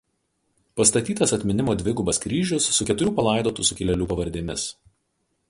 Pastatytas atminimo dvigubas kryžius su keturių palaidotų sukilėlių pavardėmis.